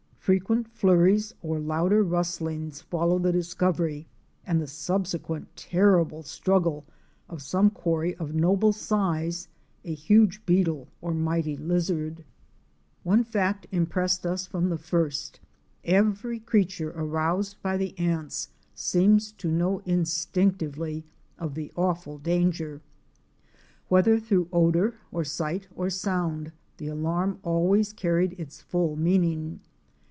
Frequent flurries or louder tustlings follow the discovery and the subsequent terrible struggle of some quarry of noble size —a huge beetle or mighty lizard. 52 OUR SEARCH FOR A WILDERNESS. One fact impressed us from the first: every creature aroused by the ants seemed to know instinctively of the awful danger. Whether through odor or sight or sound, the alarm always carried its full meaning.